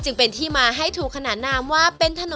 เช่นอาชีพพายเรือขายก๋วยเตี๊ยว